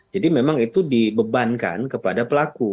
jadi memang itu dibebankan kepada pelaku